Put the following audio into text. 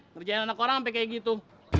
ngerjain anak orang sampai kayak gitu